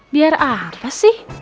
biar apa sih